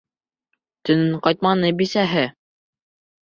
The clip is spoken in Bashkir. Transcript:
Төнөн ҡайтманы бисәһе.